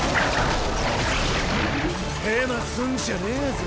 ヘマすんじゃねぇぞ。